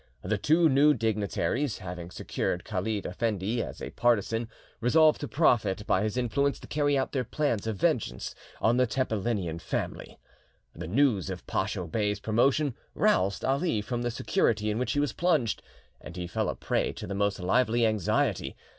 The two new dignitaries, having secured Khalid Effendi as a partisan, resolved to profit by his influence to carry out their plans of vengeance on the Tepelenian family. The news of Pacho Bey's promotion roused Ali from the security in which he was plunged, and he fell a prey to the most lively anxiety.